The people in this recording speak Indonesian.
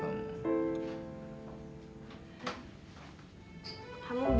aku gak mau berubah